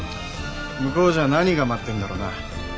向こうじゃ何が待ってんだろうな？